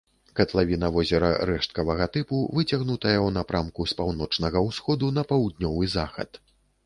Катлавіна возера рэшткавага тыпу, выцягнутая ў напрамку з паўночнага ўсходу на паўднёвы захад.